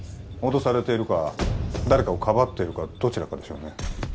脅されているか誰かをかばっているかどちらかでしょうね